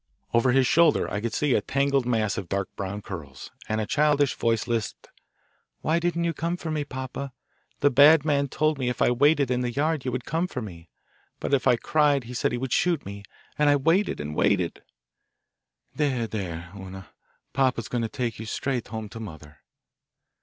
Over his shoulder I could see a tangled mass of dark brown curls, and a childish voice lisped "Why didn't you come for me, papa? The bad man told me if I waited in the yard you would come for me. But if I cried he said he would shoot me. And I waited, and waited " "There, there, Una; papa's going to take you straight home to mother."